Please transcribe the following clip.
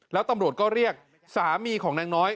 แล้วตำรวจก็เรียกสามีของนางน้อย